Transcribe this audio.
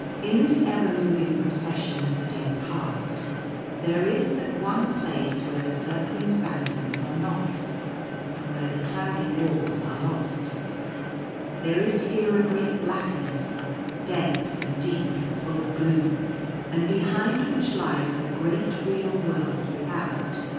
In this ever moving Procession of the Dead Past 76 The Gate of Dread. there is but one place where the circling phantoms are not, and where the cloudy walls are lost. There is here a great blackness, dense and deep, and full of gloom, and behind which lies the great real world without.